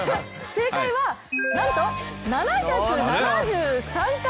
正解は、なんと７７３回。